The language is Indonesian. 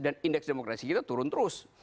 dan indeks demokrasi kita turun terus